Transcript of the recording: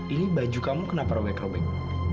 ini baju kamu kenapa robek robek